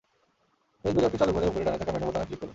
Facebook অ্যাপটি চালু করে ওপরে ডানে থাকা মেনু বোতামে ক্লিক করুন।